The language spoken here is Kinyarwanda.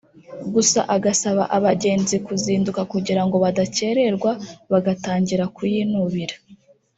gusa agasaba abagenzi kuzinduka kugira ngo badakererwa bagatangira kuyinubira